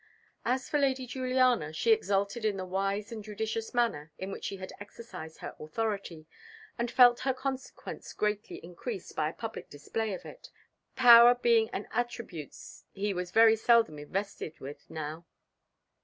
As for Lady Juliana, she exulted in the wise and judicious manner in which she had exercised her authority, and felt her consequence greatly increased by a public display of it power being an attributes he was very seldom invested with now.